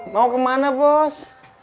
mau ke mana bos